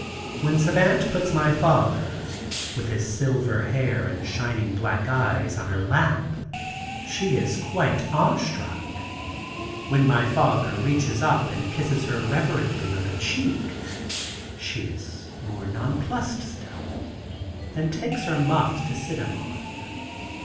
When Savant puts my father with his silver hair and shining black eyes on her lap, she is quite awe struck. When my father reaches up and kisses her reverently on the cheek; she is more nonplussed still, and takes her muff to sit him on.